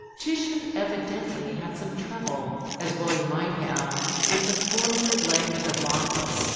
Titian evidently had some trouble, as well he might have, with the forward leg of the Bacchus.